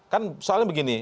kan soalnya begini